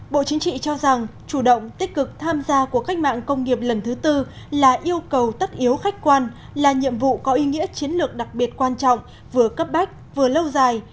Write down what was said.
bộ chính trị cho rằng chủ động tích cực tham gia của cách mạng công nghiệp lần thứ tư là yêu cầu tất yếu khách quan là nhiệm vụ có ý nghĩa chiến lược đặc biệt quan trọng vừa cấp bách vừa lâu dài